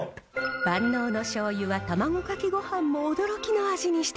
万能のしょうゆは卵かけごはんも驚きの味にしてくれます。